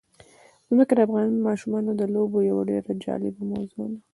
ځمکه د افغان ماشومانو د لوبو یوه ډېره جالبه موضوع ده.